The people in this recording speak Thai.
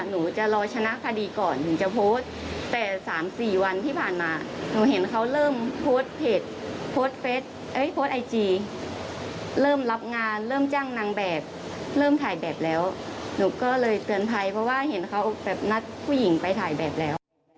หนูก็เลยเตือนภัยเพราะว่าเห็นเขาแบบนัดผู้หญิงไปถ่ายแบบแล้ว